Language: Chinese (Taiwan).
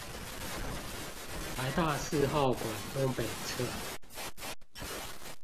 臺大四號館東北側